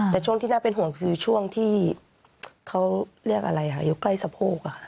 แต่ช่วงที่น่าเป็นห่วงคือช่วงที่เขาเรียกอะไรค่ะอยู่ใกล้สะโพก